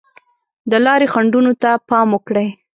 د لارې خنډونو ته پام وکړئ.